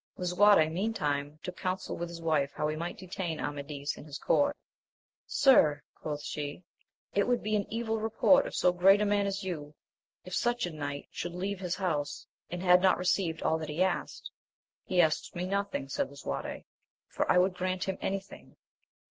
Lisuarte meantime took counsel with his wife how he might detain Amadis in his court. Sir, quoth she, it would be an evil report of so great a man as you, if such a knight should leave hisi house, and had not received all that he asked. He asks me nothing, said 'Lisuarte, for I would grant him any thing.